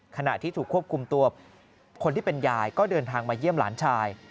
ขณะที่ถูกควบคุมตัวคนที่เป็นยายก็เดินทางมาเยี่ยมหลานชาย